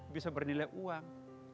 bisa bernilai uang